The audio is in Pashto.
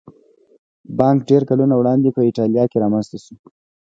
بانک ډېر کلونه وړاندې په ایټالیا کې رامنځته شو